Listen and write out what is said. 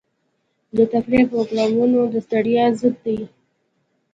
د تفریح پروګرامونه د ستړیا ضد دي.